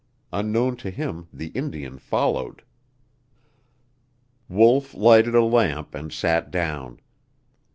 Unknown to him the Indian followed! Wolf lighted a lamp and sat down.